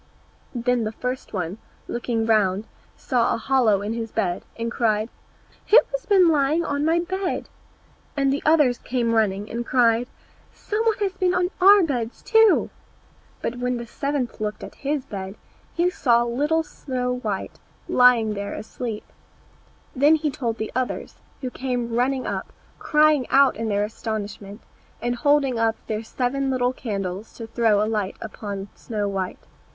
Then the first one, looking round, saw a hollow in his bed, and cried, "Who has been lying on my bed?" And the others came running, and cried, "Some one has been on our beds too!" But when the seventh looked at his bed, he saw little Snow white lying there asleep. Then he told the others, who came running up, crying out in their astonishment, and holding up their seven little candles to throw a light upon Snow white.